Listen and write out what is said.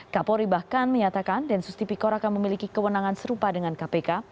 kapolri bahkan menyatakan densus tipikor akan memiliki kewenangan serupa dengan kpk